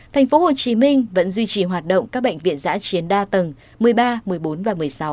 tp hcm vẫn duy trì hoạt động các bệnh viện giã chiến đa tầng một mươi ba một mươi bốn và một mươi sáu